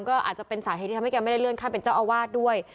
ก็อาจจะเป็นสาเหตุที่ทำให้แกไม่ได้เลื่อนขั้นเป็นเจ้าอาวาสด้วย